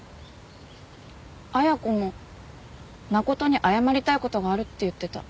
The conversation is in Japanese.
恵子も真琴に謝りたい事があるって言ってた。